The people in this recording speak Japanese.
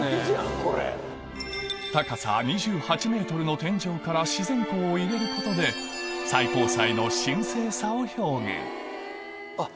の天井から自然光を入れることで最高裁の神聖さを表現あっ